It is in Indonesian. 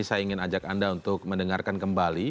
saya ingin ajak anda untuk mendengarkan kembali